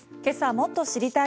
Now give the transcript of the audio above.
もっと知りたい！